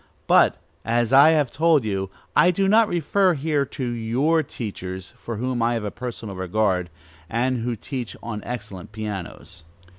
But, as I have told you, I do not refer here to your teachers, for whom I have a personal regard, and who teach on excellent pianos.